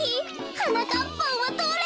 はなかっぱんはどれ？